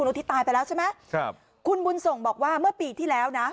อุทิศตายไปแล้วใช่ไหมครับคุณบุญส่งบอกว่าเมื่อปีที่แล้วนะ